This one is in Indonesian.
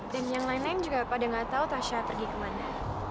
dan yang lain lain juga pada gak tau tasya pergi kemana